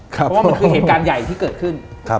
เพราะว่ามันคือเหตุการณ์ใหญ่ที่เกิดขึ้น